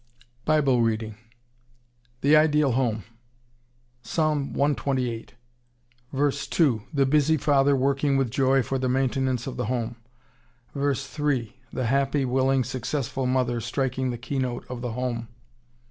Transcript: BIBLE READING THE IDEAL HOME Psalm 128 v. 2. The busy father working with joy for the maintenance of the home. v. 3. The happy, willing, successful mother, striking the keynote of the home.